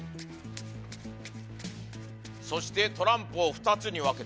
そしてトランプを２つに分けてください。